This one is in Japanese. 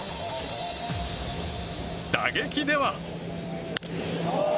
打撃では。